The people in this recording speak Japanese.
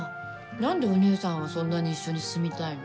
なんでお姉さんはそんなに一緒に住みたいの？